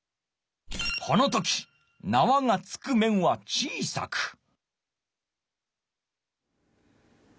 この時なわが着く面は小さく。